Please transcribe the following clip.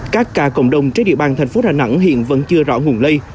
các ca cộng đồng trên địa bàn thành phố đà nẵng hiện vẫn chưa rõ nguồn lây